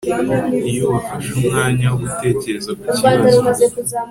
iyo wafashe umwanya wo gutekereza ku kibazo